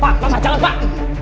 pak pak jangan pak